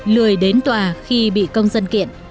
lười đến tòa khi bị công dân kiện